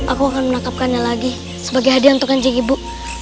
aku akan menangkapkannya lagi sebagai hadiah untuk kanjing ibu